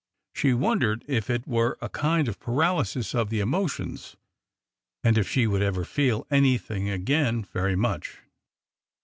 She wondered if it were a kind of paralysis of the emotions, and if she would ever feel anything again very much.